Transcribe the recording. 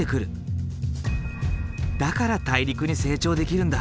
だから大陸に成長できるんだ。